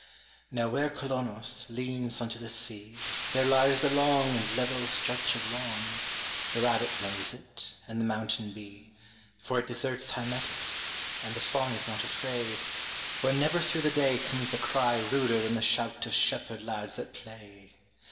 Now where Colonos leans unto the sea There lies a long and level stretch of lawn, The rabbit knows it, and the mountain bee For it deserts Hymettus, and the Faun Is not afraid, for never through the day Comes a cry ruder than the shout of shepherd lads at play.